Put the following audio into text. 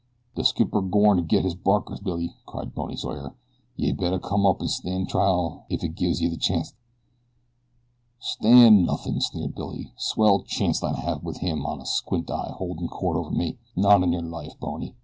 "De skipper's gorn to get his barkers, Billy," cried Bony Sawyer. "Yeh better come up an' stan' trial if he gives yeh the chanct." "Stan' nothin'," sneered Billy. "Swell chanct I'd have wit him an' Squint Eye holdin' court over me. Not on yer life, Bony.